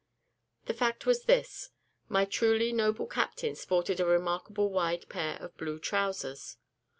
The fact was this; my truly noble captain sported a remarkable wide pair of blue trowsers.